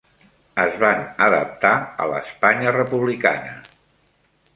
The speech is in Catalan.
Es van adaptar a l'Espanya republicana.